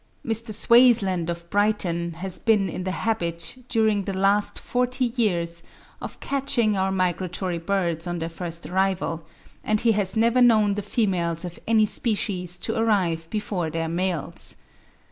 Mr. Swaysland of Brighton has been in the habit, during the last forty years, of catching our migratory birds on their first arrival, and he has never known the females of any species to arrive before their males.